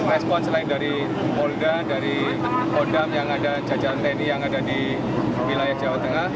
respon selain dari polda dari kodam yang ada jajaran tni yang ada di wilayah jawa tengah